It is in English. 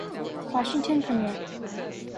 Washington Premier